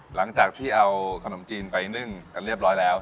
หลังจากที่เอาขนมจีนไปนึ่งกันเรียบร้อยแล้ว